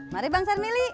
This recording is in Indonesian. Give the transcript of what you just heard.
mari bang sarmili